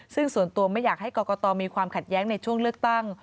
ซึ่งส่วนตัวไม่อยากให้กรกตมีความขัดแย้งในช่วงเลือกตั้ง